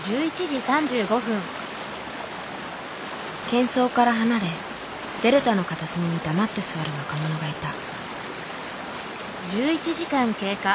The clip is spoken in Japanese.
けん騒から離れデルタの片隅に黙って座る若者がいた。